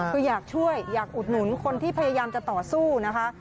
คืออยากช่วยอยากอุดหนุนคนที่พยายามจะต่อสู้นะคะ